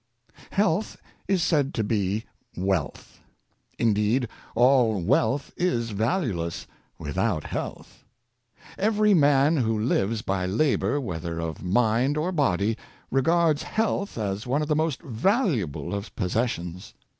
EALTH is said to be wealth. Indeed, all wealth is valueless without health. Every man who lives by labor, whether of mind or body, regards health as one of the most valu able of possessions.